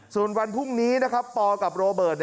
ส่วนวันพรุ่งนี้นะครับปกับโรเบิร์ต